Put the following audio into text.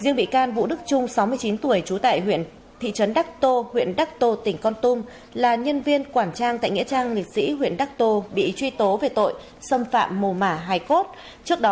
nguyễn văn hoành em ruột thúy chú tại huyện đông anh hà nội bị đề nghị truy tố về tội xâm phạm mồ mả hài cốt